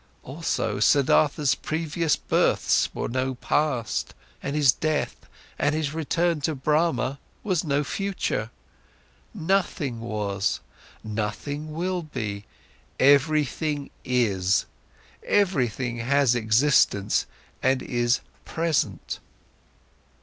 Also, Siddhartha's previous births were no past, and his death and his return to Brahma was no future. Nothing was, nothing will be; everything is, everything has existence and is present."